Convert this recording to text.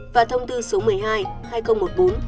và thông tư số một mươi hai hai nghìn một mươi bốn